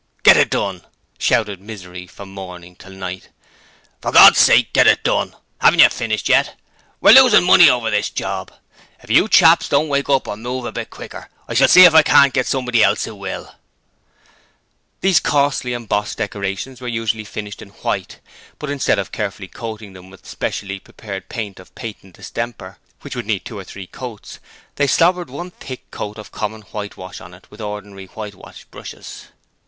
'Get it done!' shouted Misery from morning till night. 'For God's sake get it done! Haven't you finished yet? We're losing money over this "job"! If you chaps don't wake up and move a bit quicker, I shall see if I can't get somebody else who will.' These costly embossed decorations were usually finished in white; but instead of carefully coating them with specially prepared paint of patent distemper, which would need two or three coats, they slobbered one thick coat of common whitewash on to it with ordinary whitewash brushes.